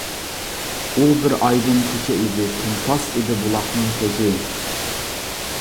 ئۇ بىر ئايدىڭ كېچە ئىدى، تىمتاس ئىدى بۇلاقنىڭ كۆزى.